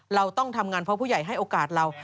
เราต้องทำงานเพราะผู้ใหญ่ให้โอกาสเรา